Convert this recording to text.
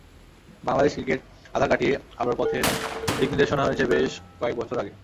Bangladesh cricket আঁধার কাটিয়ে আলোর পথের দিক নির্দেশনা হয়েছে বেশ কয়েক বছর আগে।